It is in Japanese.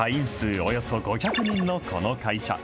およそ５００人のこの会社。